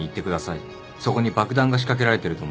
そこに爆弾が仕掛けられてると思います。